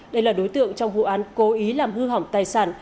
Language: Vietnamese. đây là đối tượng trong vụ án cố ý làm hư hỏng tài sản